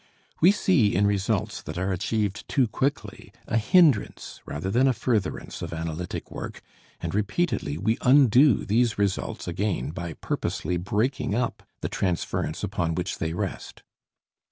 We see in results that are achieved too quickly a hindrance rather than a furtherance of analytic work and repeatedly we undo these results again by purposely breaking up the transference upon which they rest.